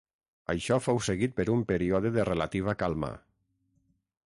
Això fou seguit per un període de relativa calma.